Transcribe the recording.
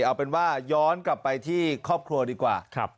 เอาเป็นว่าย้อนกลับไปที่ครอบครัวดีกว่า